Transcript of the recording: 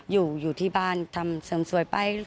อยู่ที่บ้านทำเสริมสวยไป